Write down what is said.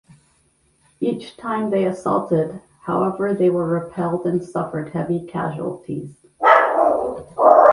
Each time they assaulted however they were repelled and suffered heavy casualties.